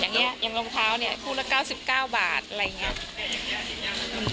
อย่างนี้อย่างรองเท้าเนี่ยคู่ละ๙๙บาทอะไรอย่างนี้